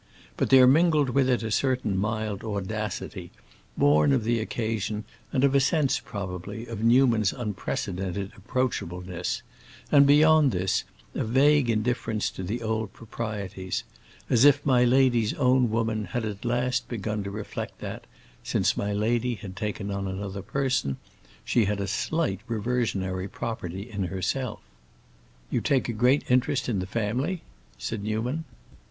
But there mingled with it a certain mild audacity, born of the occasion and of a sense, probably, of Newman's unprecedented approachableness, and, beyond this, a vague indifference to the old proprieties; as if my lady's own woman had at last begun to reflect that, since my lady had taken another person, she had a slight reversionary property in herself. "You take a great interest in the family?" said Newman.